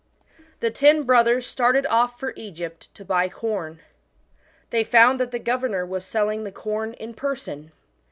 The ten brothers started off for Egypt to buy corn. They found that the governor was selling the corn in person.